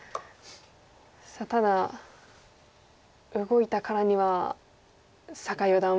さあただ動いたからには酒井四段は。